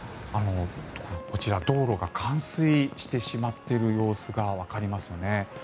こちら、道路が冠水してしまっている様子がわかりますね。